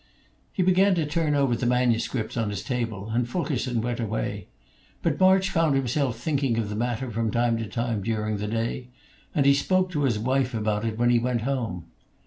He began to turn over the manuscripts on his table, and Fulkerson went away. But March found himself thinking of the matter from time to time during the day, and he spoke to his wife about it when he went home.